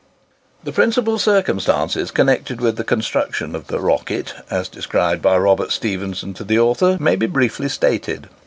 The principal circumstances connected with the construction of the "Rocket," as described by Robert Stephenson to the author, may be briefly stated.